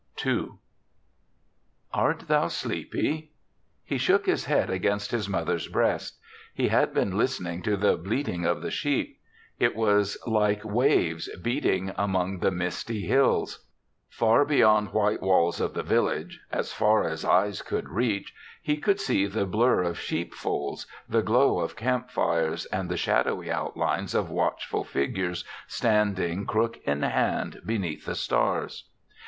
II |RT thou sleepy?" He shook his head ag:amst his mother's breast. He had been listening to the bleating of the sheep ; it was like waves beating among the misty hills. Far beyond white walls of the village, as far as eyes could reach, he could see the blur of sheep folds, the glow of camp fires and the shadowy outlines of watchful figures standing crook in hand beneath the stars.